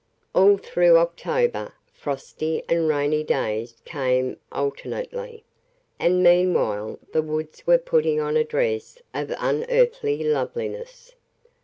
All through October, frosty and rainy days came alternately, and meanwhile the woods were putting on a dress of unearthly loveliness.